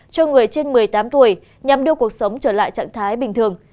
cho người trên một mươi tám tuổi nhằm đưa cuộc sống trở lại trạng thái bình thường